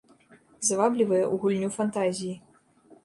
Заваблівае ў гульню фантазіі.